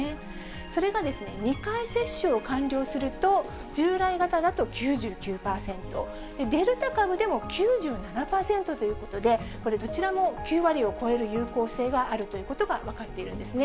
それが２回接種を完了すると、従来型だと９９％、デルタ株でも９７％ということで、これ、どちらも９割を超える有効性があるということが分かっているんですね。